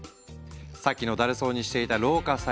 さっきのだるそうにしていた老化細胞。